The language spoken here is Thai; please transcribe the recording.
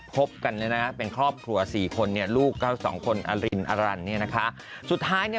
ครบกันเลยนะเป็นครอบครัว๔คนเนี่ยลูกกาส๒คนอะรินอ่ะรันเนี่ยนะคะสุดท้าย